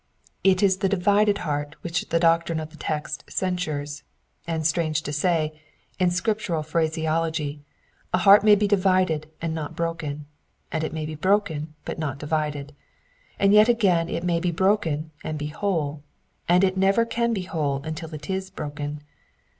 It is the divided heart which the doctrine of the text censures, and strange to say, in scriptural phraseology, a heart may be divided and not broken, and it may be broken but not divided ; and yet again it may bo broken and be whole, and it never can be whole until it is broken.